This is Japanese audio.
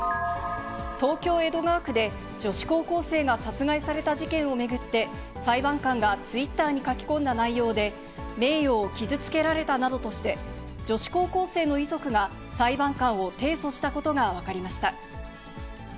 東京・江戸川区で女子高校生が殺害された事件を巡って、裁判官がツイッターに書き込んだ内容で、名誉を傷つけられたなどとして、女子高校生の遺族が裁判官を提訴したことが分かりました。